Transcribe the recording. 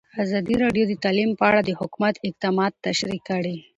ازادي راډیو د تعلیم په اړه د حکومت اقدامات تشریح کړي.